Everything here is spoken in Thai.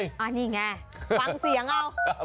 ฟังเสียงเอา